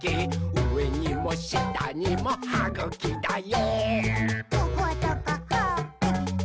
うえにもしたにもはぐきだよ！」